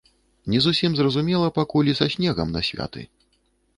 Не зусім зразумела пакуль і са снегам на святы.